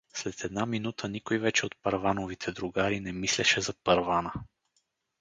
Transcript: След една минута никой вече от Първановите другари не мислеше за Първана.